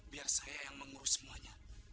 biar saya yang mengurus semuanya